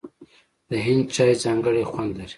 د هند چای ځانګړی خوند لري.